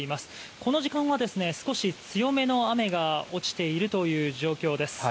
この時間は少し強めの雨が落ちているという状況です。